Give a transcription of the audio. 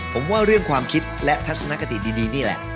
ผมว่าเรื่องความคิดและทัศนคติดีนี่แหละ